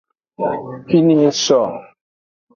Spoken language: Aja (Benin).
Fine eso.